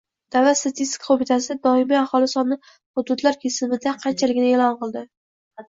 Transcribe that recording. Davlat statistika qo‘mitasi doimiy aholi soni hududlar kesimida qanchaligini e’lon qildi